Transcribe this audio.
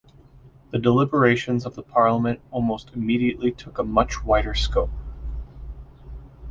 The deliberations of the parliament almost immediately took a much wider scope.